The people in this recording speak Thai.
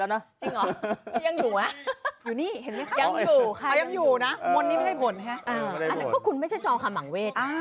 อันนั้นก็คุณไม่ใช่จอคำมังเวท